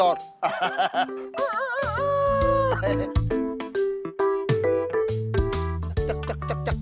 tiru truy tuah ulang